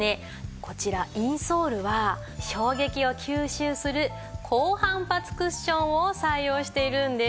こちらインソールは衝撃を吸収する高反発クッションを採用しているんです。